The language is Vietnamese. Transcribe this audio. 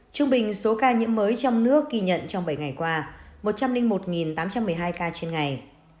trung bình số ca nhiễm mới trong nước ghi nhận trong bảy ngày qua một trăm linh một tám trăm một mươi hai ca trên ngày